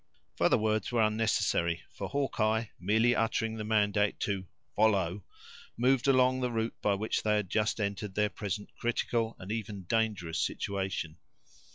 Further words were unnecessary; for Hawkeye, merely uttering the mandate to "follow," moved along the route by which they had just entered their present critical and even dangerous situation.